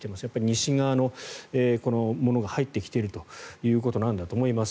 西側のものが入ってきているということなんだと思います。